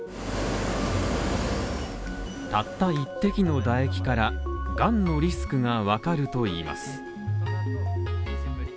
たった一滴の唾液から、がんのリスクがわかるといいます。